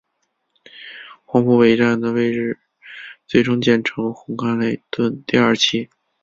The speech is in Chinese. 黄埔北站的位置最终建成红磡邨第二期。